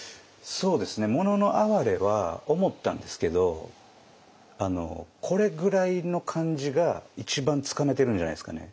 そうですね「もののあはれ」は思ったんですけどこれぐらいの感じが一番つかめてるんじゃないですかね。